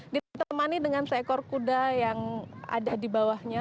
ditemani dengan seekor kuda yang ada di bawahnya